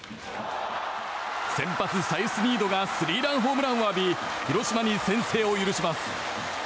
先発サイスニードがスリーランホームランを浴び広島に先制を許します。